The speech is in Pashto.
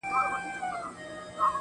نوره گډا مه كوه مړ به مي كړې,